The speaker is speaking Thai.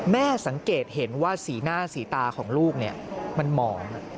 แม่สังเกตเห็นว่าสีหน้าสีตาของลูกมันหมอง